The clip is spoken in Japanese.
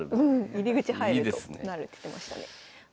入り口入るとなるって言ってましたね。